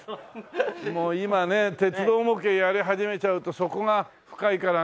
もう今ね鉄道模型やり始めちゃうと底が深いからね。